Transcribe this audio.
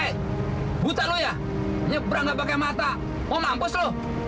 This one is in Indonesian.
hei buta lu ya nyebrang gak pakai mata mau mampus lu